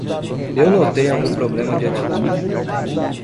Eu notei algum problema de atitude?